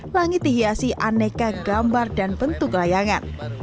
langit dihiasi aneka gambar dan bentuk layangan